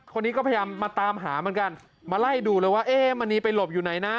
คนนี้ก็พยายามมาตามหาเหมือนกันมาไล่ดูเลยว่าเอ๊ะมณีไปหลบอยู่ไหนนะ